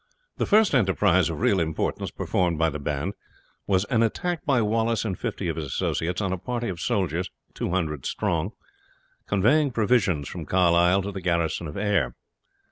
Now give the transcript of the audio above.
The first enterprise of real importance performed by the band was an attack by Wallace and fifty of his associates on a party of soldiers, 200 strong, conveying provisions from Carlisle to the garrison of Ayr.